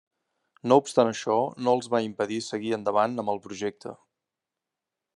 No obstant això, no els va impedir seguir endavant amb el projecte.